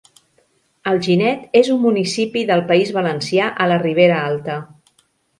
Alginet és un municipi del País Valencià a la Ribera Alta.